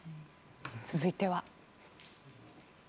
続いては。